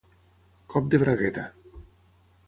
Cop de bragueta.